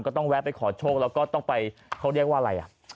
ต้องแวะไปขอโชคแล้วก็ต้องไปเขาเรียกว่าอะไรอ่ะ